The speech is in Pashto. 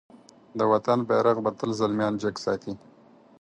د وطن بېرغ به تل زلميان جګ ساتی.